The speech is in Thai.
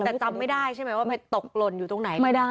แต่จำไม่ได้ใช่ไหมว่าไปตกหล่นอยู่ตรงไหน